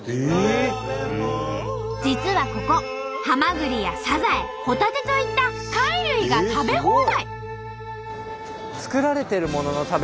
実はここハマグリやサザエホタテといった貝類が食べ放題。